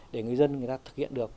để người dân người ta thực hiện được